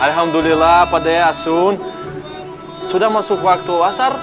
alhamdulillah pakde asun sudah masuk waktu washar